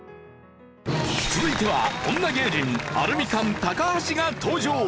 続いては女芸人アルミカン高橋が登場。